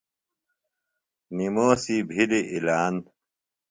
نِموسی بِھلیۡ اعلان